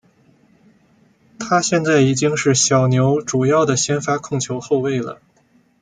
他现在已经是小牛主要的先发控球后卫了。